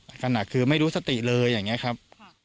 ขนาดหนักคือไม่รู้สติเลยอย่างนี้ครับ